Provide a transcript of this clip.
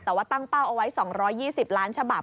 แต่ว่าตั้งเป้าเอาไว้๒๒๐ล้านฉบับ